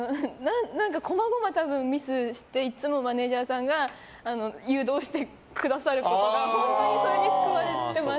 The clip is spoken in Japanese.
細々、多分ミスしていつもマネジャーさんが誘導してくださることが本当にそれに救われてます。